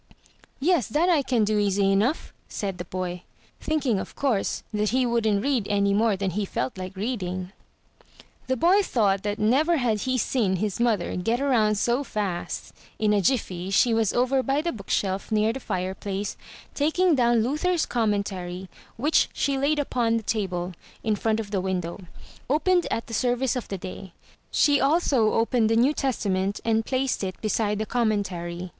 "Yes, that I can do easy enough," said the boy, thinking, of course, that he wouldn't read any more than he felt like reading. The boy thought that never had he seen his mother get around so fast. In a jiffy she was over by the book shelf, near the fire place, taking down Luther's Commentary, which she laid upon the table, in front of the window — opened at the service of the day. She also opened the New Testament, and placed it beside the Commentary.